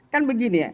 kan begini ya